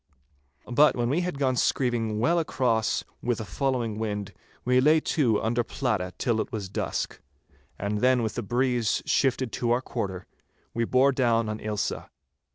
But when we had gone screeving well across with a following wind, we lay to under Pladda till it was dusk, and then with a breeze shifted to our quarter we bore down on Ailsa.